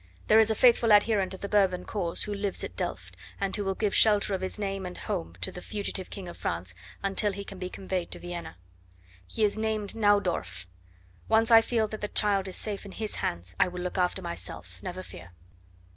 There is a faithful adherent of the Bourbon cause who lives at Delft, and who will give the shelter of his name and home to the fugitive King of France until he can be conveyed to Vienna. He is named Nauudorff. Once I feel that the child is safe in his hands I will look after myself, never fear."